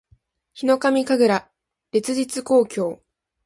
ヒノカミ神楽烈日紅鏡（ひのかみかぐられつじつこうきょう）